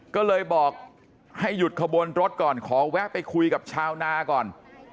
ก็เลยบอกให้หยุดขบวนรถก่อนขอแวะไปคุยกับชาวนาก่อน